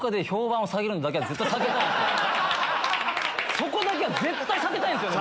そこだけは絶対避けたいんですよね